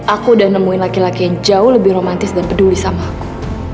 aku udah nemuin laki laki yang jauh lebih romantis dan peduli sama aku